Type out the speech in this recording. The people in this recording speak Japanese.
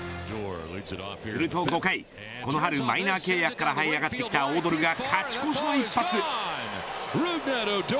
すると５回この春、マイナー契約から這い上がってきたオドルが勝ち越しの一発。